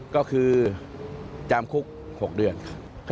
ก็คือจำคุก๖เดือน